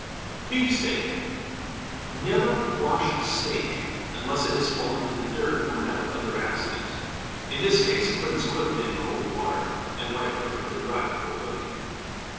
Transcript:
Beefsteak. Never wash a steak unless it has fallen in the dirt or met with other accident. In this case cleanse quickly in cold water and wipe perfectly dry before cooking.